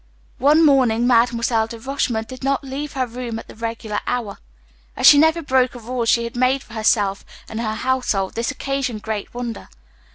One morning, Mademoiselle de Rochemont did not leave her room at the regular hour. As she never broke a rule she had made for herself and her household, this occasioned great wonder.